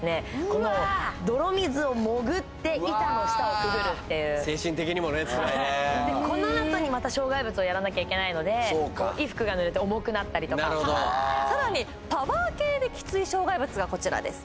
この泥水を潜って板の下をくぐるっていう精神的にもツライねこのあとにまた障害物をやらなきゃいけないので衣服がぬれて重くなったりとかさらにパワー系でキツイ障害物がこちらです